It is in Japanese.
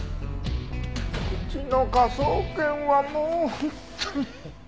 うちの科捜研はもう本当に。